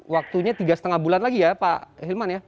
waktunya tiga lima bulan lagi ya pak hilman ya